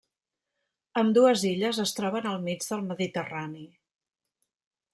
Ambdues illes es troben al mig del Mediterrani.